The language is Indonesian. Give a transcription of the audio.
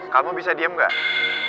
kamu bisa diem gak